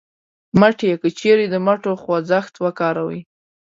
مټې : که چېرې د مټو خوځښت وکاروئ